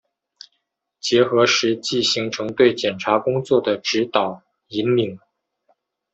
结合实际形成对检察工作的指导、引领